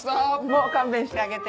もう勘弁してあげて。